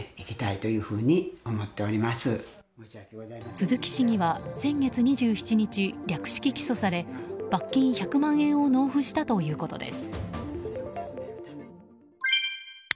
鈴木市議は先月２７日、略式起訴され罰金１００万円を納付したということです。